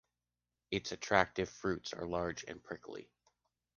Its attractive fruits are large and prickly.